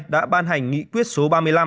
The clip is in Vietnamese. đã ban hành nghị quyết số ba mươi năm